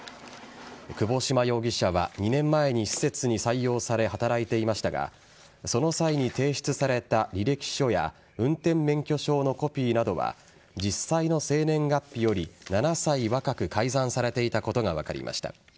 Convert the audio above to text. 窪島容疑者は２年前に施設に採用され働いていましたがその際に提出された履歴書や運転免許証のコピーなどは実際の生年月日より７歳若く改ざんされていたことが分かりました。